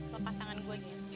lepas tangan gue gir